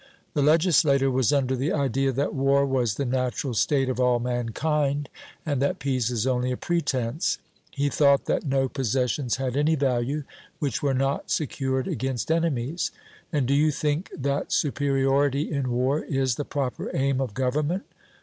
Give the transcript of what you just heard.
The legislator was under the idea that war was the natural state of all mankind, and that peace is only a pretence; he thought that no possessions had any value which were not secured against enemies.' And do you think that superiority in war is the proper aim of government?